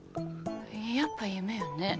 やっぱ夢よね